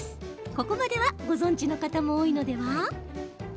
ここまではご存じの方も多いのでは？